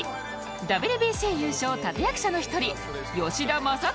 ＷＢＣ 優勝立役者の１人吉田正尚選手